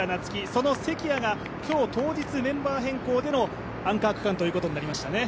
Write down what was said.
その関谷が今日当日メンバー変更でのアンカー区間ということになりましたね。